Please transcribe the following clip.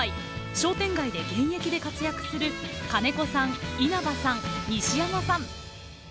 商店街で現役で活躍する金子さん、稲葉さん、西山さん。